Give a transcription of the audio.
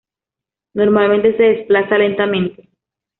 Normalmente se desplaza lentamente.